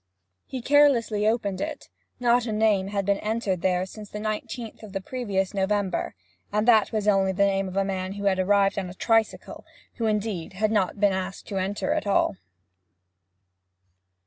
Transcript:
He carelessly opened it; not a name had been entered there since the 19th of the previous November, and that was only the name of a man who had arrived on a tricycle, who, indeed, had not been asked to enter at all.